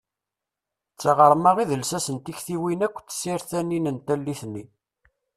D taɣerma i d llsas n tiktiwin akk tsertanin n tallit-nni.